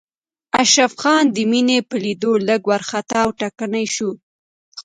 اشرف خان د مينې په ليدو لږ وارخطا او ټکنی شو.